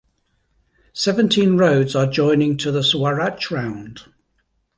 Seventeen roads are joining to the Swaraj Round.